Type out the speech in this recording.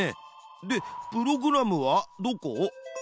でプログラムはどこ？